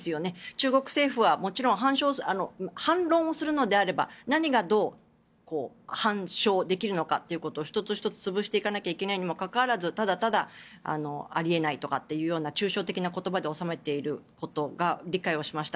中国政府はもちろん反論するのであれば何がどう反証できるのかということを１つ１つ潰していかないといけないにもかかわらずただただあり得ないといった抽象的な言葉で収めていることを理解をしました。